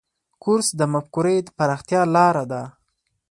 کورس د مفکورې پراختیا لاره ده.